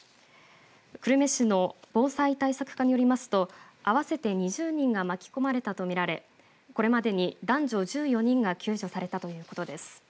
久留米市の防災対策課によりますと合わせて２０人が巻き込まれたと見られこれまでに男女１４人が救助されたということです。